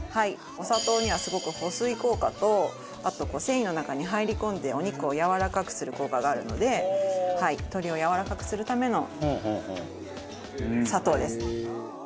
お砂糖にはすごく保水効果とあと繊維の中に入り込んでお肉をやわらかくする効果があるので鶏をやわらかくするための砂糖です。